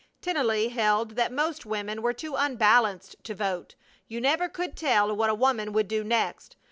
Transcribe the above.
Tennelly held that most women were too unbalanced to vote; you never could tell what a woman would do next.